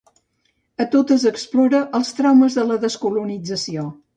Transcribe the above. A totes explora els traumes de la descolonització.